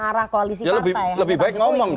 arah koalisi partai yang lebih baik ngomong